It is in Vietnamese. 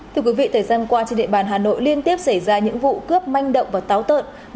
thưa quý vị thời gian qua trên địa bàn hà nội liên tiếp xảy ra những vụ cướp manh động và táo tợn